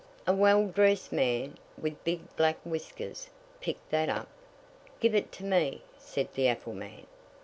"A well dressed man, with big black whiskers, picked that up. 'Give it to me,' said the apple man.